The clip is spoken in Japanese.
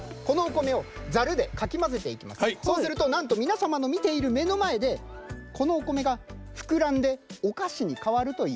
そうするとなんと皆様の見ている目の前でこのお米が膨らんでお菓子に変わるという。